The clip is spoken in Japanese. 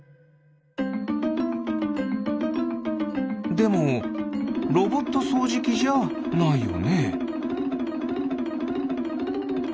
でもロボットそうじきじゃないよね。